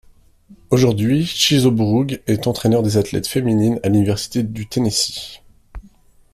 Aujourd'hui, Cheeseborough est entraineur des athlètes féminines à l'université du Tennessee.